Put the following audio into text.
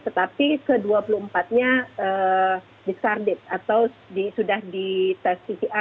tetapi ke dua puluh empat nya discarded atau sudah diterima